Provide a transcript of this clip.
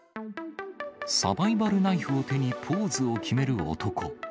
サバイバルナイフを手にポーズを決める男。